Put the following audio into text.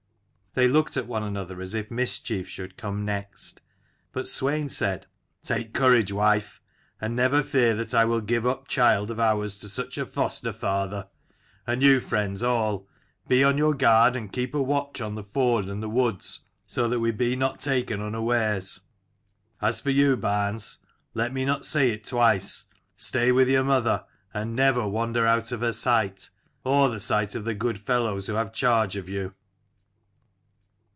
They looked at one another as if mischief should come next, but Swein said, "Take courage, wife, and never fear that I will give up child of ours to such a foster father : and you, friends all, be on your guard, and keep a watch on the ford and the woods, so that we be not taken unawares. As for you, barns, let me not say it twice : stay with your mother, and never wander away out of her sight, or the sight of the good fellows who have charge of you."